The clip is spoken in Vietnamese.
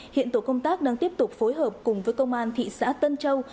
hiện tổ công tác đang tiếp tục phối hợp cùng với công an thị xã tân châu